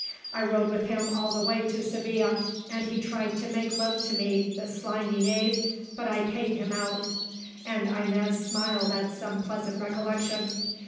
I rode with him all the way to Seville, and he tried to make love to me, the slimy knave, but I paid him out," and Inez smiled at some pleasant recollection.